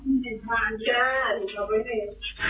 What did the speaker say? อ๋อเครื่องสัตว์ฟังจ้าที่ทำไว้ให้